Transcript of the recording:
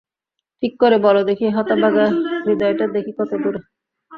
ঠিক করে বলো দেখি হতভাগা হৃদয়টা গেছে কতদূরে?